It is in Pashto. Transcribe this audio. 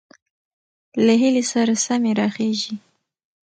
له هيلې سره سمې راخېژي،